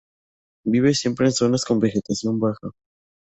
Vive siempre en zonas con vegetación baja.